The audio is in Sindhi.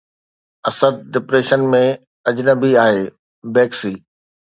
اسد ڊپريشن ۾ اجنبي آهي، بيڪسي